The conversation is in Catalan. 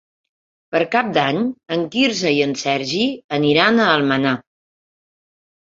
Per Cap d'Any en Quirze i en Sergi aniran a Almenar.